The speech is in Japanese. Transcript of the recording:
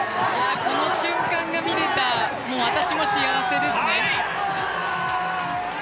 この瞬間が見れた私も幸せですね。